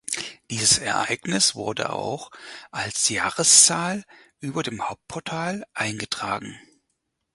Dieses Ereignis wurde auch als Jahreszahl über dem Hauptportal eingetragen.